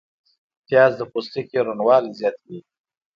پیاز د پوستکي روڼوالی زیاتوي